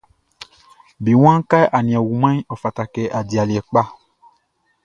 Be waan kɛ a nin a wumanʼn, ɔ fata kɛ a di aliɛ kpa.